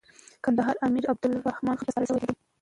کندهار امیر عبدالرحمن خان ته سپارل سوی دی.